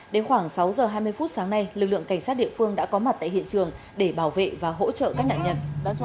đến khoảng sáu giờ hai mươi phút sáng nay lực lượng cảnh sát địa phương đã có mặt tại hiện trường để bảo vệ và hỗ trợ các nạn nhân